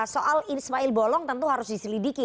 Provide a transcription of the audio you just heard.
soal ismail bolong tentu harus diselidiki